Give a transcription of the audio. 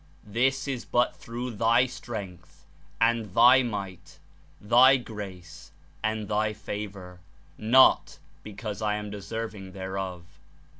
This is but through Thy Strength and Thy Might, Thy Grace and Thy Favor; not because I am deserving thereof."